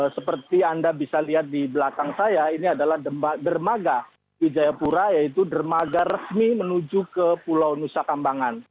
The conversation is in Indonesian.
seperti anda bisa lihat di belakang saya ini adalah dermaga wijayapura yaitu dermaga resmi menuju ke pulau nusa kambangan